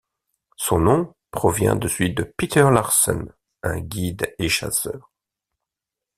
Son nom provient de celui de Peter Larsen, un guide et chasseur.